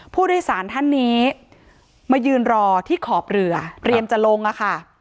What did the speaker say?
ผู้โดยสารท่านนี้มายืนรอที่ขอบเรือเตรียมจะลงอะค่ะ